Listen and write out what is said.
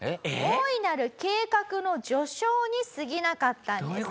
大いなる計画の序章にすぎなかったんです。